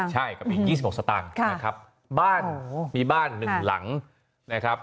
ใช่๒๖สตางค์นะครับบ้านมีบ้านหนึ่งหลังนะครับ